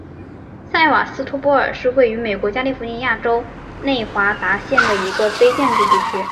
塞瓦斯托波尔是位于美国加利福尼亚州内华达县的一个非建制地区。